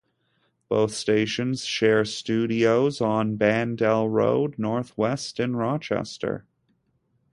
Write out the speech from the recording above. Both stations share studios on Bandel Road Northwest in Rochester.